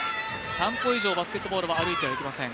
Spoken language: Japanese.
３歩以上、バスケットボールは歩いてはいけません。